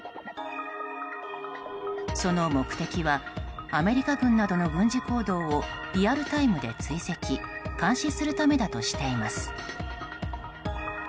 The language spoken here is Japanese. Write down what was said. その目的はアメリカ軍などの軍事行動をリアルタイムで追跡・監視するためだとしています。